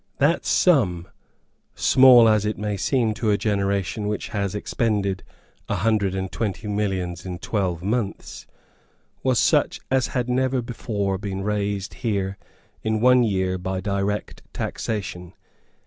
That sum, small as it may seem to a generation which has expended a hundred and twenty millions in twelve months, was such as had never before been raised here in one year by direct taxation.